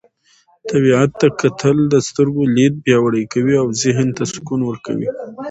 طبیعت ته کتل د سترګو لید پیاوړی کوي او ذهن ته سکون ورکوي.